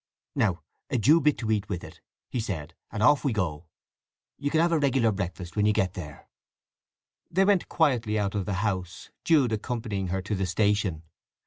"Now a dew bit to eat with it," he said; "and off we go. You can have a regular breakfast when you get there." They went quietly out of the house, Jude accompanying her to the station.